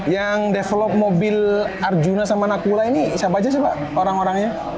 yang develop mobil arjuna sama nakula ini siapa aja sih pak orang orangnya